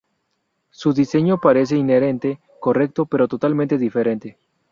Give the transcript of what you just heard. Su diseño parece inherentemente correcto, pero totalmente diferente.